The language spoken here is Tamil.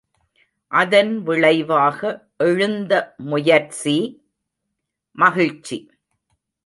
அதன் விளைவாக எழுந்த முயற்சி........... மகிழ்ச்சி!